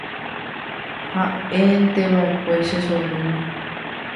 ha'énteva'ekue che sobrina